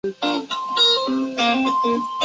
首府穆塔雷。